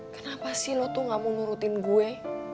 kenapa sih lo tuh gak mau ngurutin gue